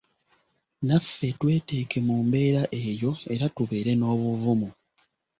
Naffe tweteeke mu mbeera eyo era tubeere n'obuvumu.